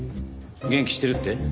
元気してるって？